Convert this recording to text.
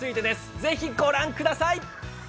是非ご覧ください！